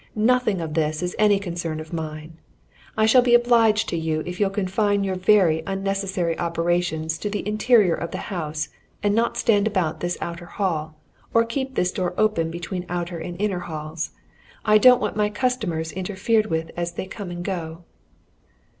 "Nothing of this is any concern of mine. I shall be obliged to you if you'll confine your very unnecessary operations to the interior of the house, and not stand about this outer hall, or keep this door open between outer and inner halls I don't want my customers interfered with as they come and go."